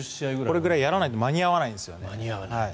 これくらいやらないと間に合わないんですよね。